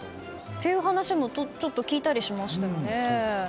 そういう話もちょっと聞いたりしましたよね。